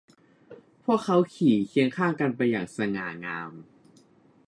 พวกเขาขี่เคียงข้างกันไปอย่างสง่างาม